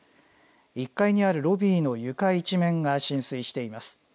１階にあるロビーの床一面が浸水しています。